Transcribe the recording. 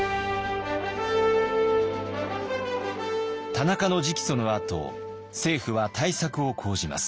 田中の直訴のあと政府は対策を講じます。